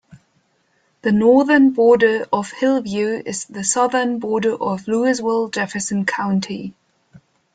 The northern border of Hillview is the southern border of Louisville-Jefferson County.